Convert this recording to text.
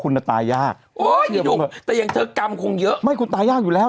คุณจะตายยากโอ๊ยพี่หนุ่มแต่อย่างเธอกรรมคงเยอะไม่คุณตายยากอยู่แล้ว